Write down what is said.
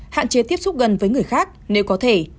hạn chế tiếp xúc gần với người khác nếu có thể